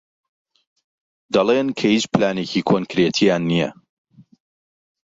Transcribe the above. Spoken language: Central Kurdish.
دەڵێن کە هیچ پلانێکی کۆنکریتییان نییە.